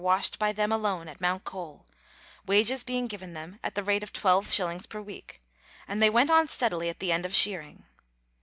washed by them alone at Mount Cole, wages being given them at the rate of 12s. per week, and they went on steadily to the end of shearing.